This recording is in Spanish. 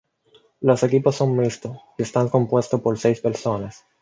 Los equipos son mixtos y están compuestos por seis personas.